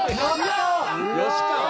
吉川